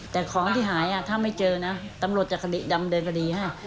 แต่ของที่หายถ้าไม่เจอนะตำรวจจะคดีดำเนินคดีให้